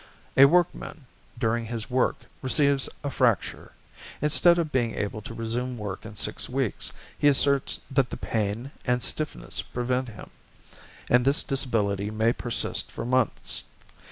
A workman during his work receives a fracture; instead of being able to resume work in six weeks, he asserts that the pain and stiffness prevent him, and this disability may persist for months.